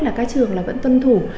là các trường là vẫn tuân thủ